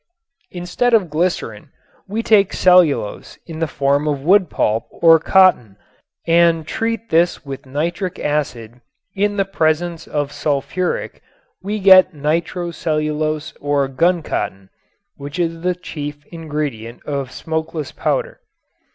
If instead of glycerin we take cellulose in the form of wood pulp or cotton and treat this with nitric acid in the presence of sulfuric we get nitrocellulose or guncotton, which is the chief ingredient of smokeless powder.